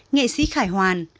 nghệ sĩ khải hoàn